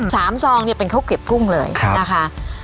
๓ซองเป็นข้าวเกียบกุ้งเลยนะคะ